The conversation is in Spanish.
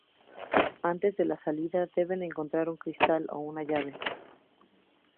Antes de la salida debe encontrar un cristal o una llave.